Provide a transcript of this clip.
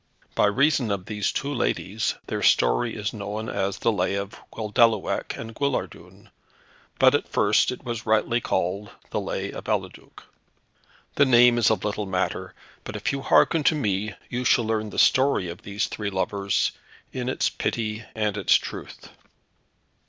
By reason of these two ladies their story is known as the Lay of Guildeluec and Guillardun, but at first it was rightly called the Lay of Eliduc. The name is a little matter; but if you hearken to me you shall learn the story of these three lovers, in its pity and its truth.